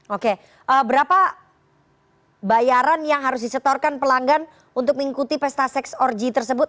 oke berapa bayaran yang harus disetorkan pelanggan untuk mengikuti pesta seks org tersebut